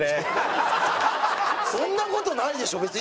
そんな事ないでしょ別に。